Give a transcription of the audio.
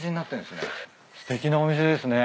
すてきなお店ですね。